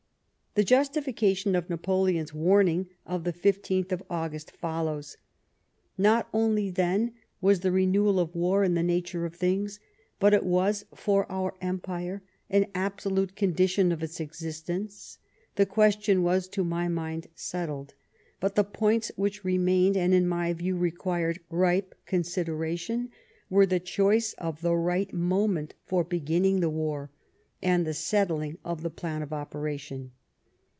The justification of Napoleon's warning of the 15th August follows :" Not only, then, was the renewal of war in the nature of things, but it was for our Empire an absolute condition of its existence. The question was to imy mind settled. But the points which remained, and, in my view, required ripe consideration, were, the choice of the right moment for beginning the war, and the settling of the plan of operation."